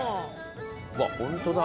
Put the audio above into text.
うわっ本当だ！